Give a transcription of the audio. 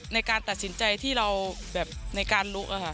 ในการตัดสินใจที่เราแบบในการรู้